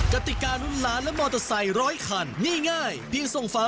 กติการุ่นล้านและมอเตอร์ไซค์ร้อยคันนี่ง่ายเพียงส่งฝา